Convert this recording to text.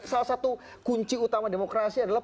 salah satu kunci utama demokrasi adalah